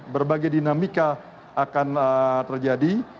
berbagai dinamika akan terjadi